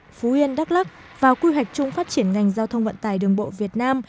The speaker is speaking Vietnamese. phú yên đắk lắc vào quy hoạch chung phát triển ngành giao thông vận tải đường bộ việt nam